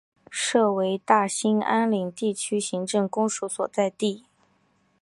设为大兴安岭地区行政公署所在地。